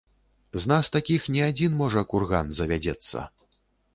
З нас такіх не адзін, можа, курган завядзецца.